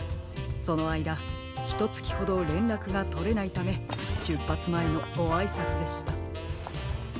そのあいだひとつきほどれんらくがとれないためしゅっぱつまえのごあいさつでした。